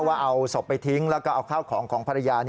ว่าเอาศพไปทิ้งแล้วก็เอาข้าวของของภรรยา